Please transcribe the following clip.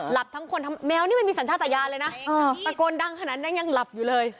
หลับทั้งคนเมี้ยวนีไม่สัญชาติอาจริยาเลยนะตะโกนดังเข็นดังอย่างหลับอยู่เลย